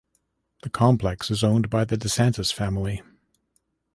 The complex is owned by the DeSantis family.